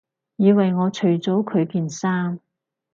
以為我除咗佢件衫